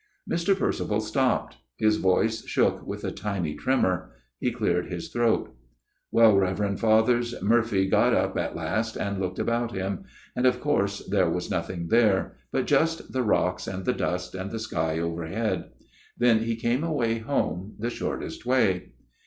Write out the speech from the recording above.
" Mr. Percival stopped. His voice shook with a tiny tremor. He cleared his throat. " Well, Reverend Fathers ; Murphy got up at last, and looked about him ; and of course there was nothing there, but just the rocks and the dust, and the sky overhead. Then he came away home, the shortest way."